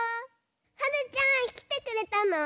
はるちゃんきてくれたの？